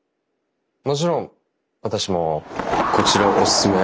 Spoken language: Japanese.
もちろん私もこちらをおすすめ。